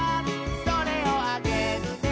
「それをあげるね」